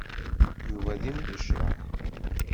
Yuba d imnecṛaḥ.